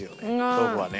豆腐はね。